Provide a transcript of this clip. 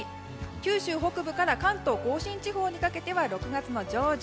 九州北部から関東・甲信地方にかけては６月上旬。